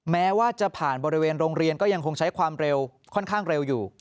แม้ว่าจะผ่านบริเวณโรงเรียนก็ยังคงใช้ความเร็วค่อนข้างเร็วอยู่